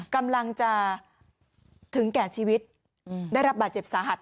กำลังจะถึงแก่ชีวิตได้รับบาดเจ็บสาหัส